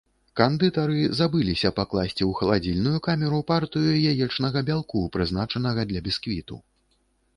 Кандытары забыліся пакласці ў халадзільную камеру партыю яечнага бялку, прызначанага для бісквіту.